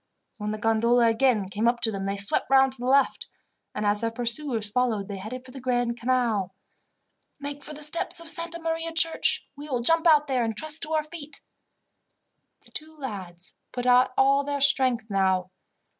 When the gondola again came up to them they swept round to the left, and as their pursuers followed they headed for the Grand Canal. "Make for the steps of Santa Maria church. We will jump out there and trust to our feet." The two lads put out all their strength now.